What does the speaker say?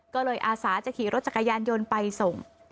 ก็เลยอาสาจะขี่รถจักรยานยนต์ไปส่ง